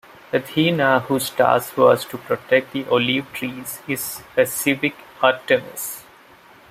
Athena whose task was to protect the olive-trees is a civic Artemis.